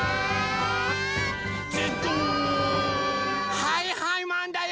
はいはいマンだよ！